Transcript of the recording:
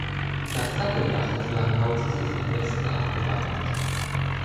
Das Satteldach des Langhauses ist im Westen abgewalmt.